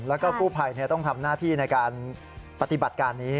แล้วก็กู้ภัยต้องทำหน้าที่ในการปฏิบัติการนี้